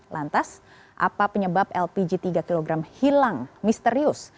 lantas apa penyebab lpg tiga kg hilang misterius